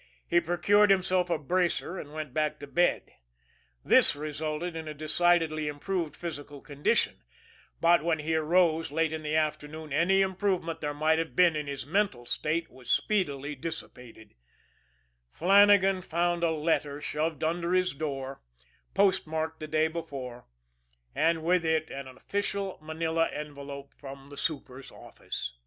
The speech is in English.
He procured himself a bracer and went back to bed. This resulted in a decidedly improved physical condition, but when he arose late in the afternoon any improvement there might have been in his mental state was speedily dissipated Flannagan found a letter shoved under his door, postmarked the day before, and with it an official manila envelope from the super's office.